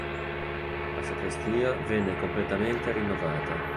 La sacrestia venne completamente rinnovata.